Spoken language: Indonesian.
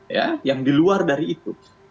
ya yang di luar dari itu